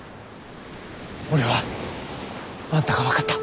俺はあんたが分かった。